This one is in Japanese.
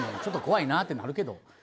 ちょっと怖いなってなるけど。